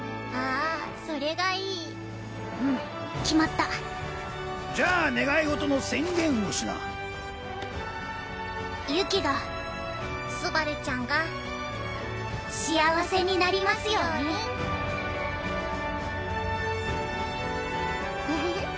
あそれがいいうん決まったじゃあ願い事の宣言をしなユキが昴ちゃんが幸せになりますようにふふふっ。